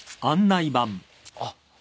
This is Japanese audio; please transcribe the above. あっ。